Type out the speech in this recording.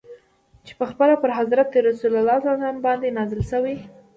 چي پخپله پر حضرت رسول ص باندي نازل سوی.